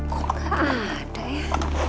kok gak ada ya